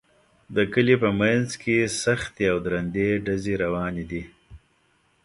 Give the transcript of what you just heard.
د کلي په منځ کې سختې او درندې ډزې روانې دي